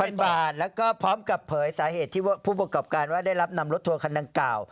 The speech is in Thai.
หรือ๑๐๐๐บาทแล้วก็พร้อมกับเผยสาเหตุที่ว่าผู้ประกอบการว่าได้รับนำรถทัวร์คันนั้นเก่า